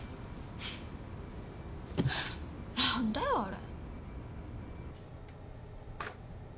何だよあれ。